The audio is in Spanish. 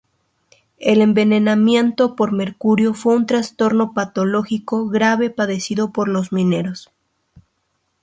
El envenenamiento por mercurio fue un trastorno patológico grave padecido por los mineros.